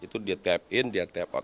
itu dia tap in dia tap out